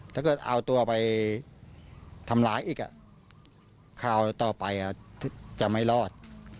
ถ้าเกิดเอาตัวไปทำร้ายอีกคราวต่อไปจะไม่รอด